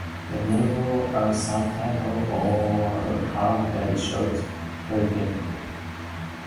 The umbels are subsessile or have very short peduncles.